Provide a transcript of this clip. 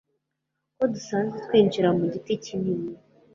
ko dusanzwe twinjira mu giti kinini